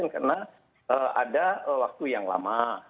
karena ada waktu yang lama